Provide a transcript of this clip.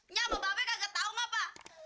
nyak sama mbak belu kagak tahu ngapa